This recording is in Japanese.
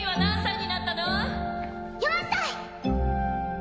４歳！